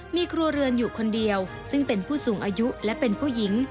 มีครัวเรือนอยู่คนเดียวซึ่งเป็นผู้สูงอายุและเป็นผู้หญิง